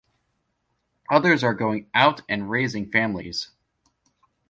Others are going out and raising families.